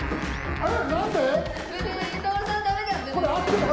あれ？